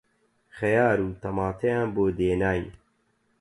خەیار و تەماتەیان بۆ دێناین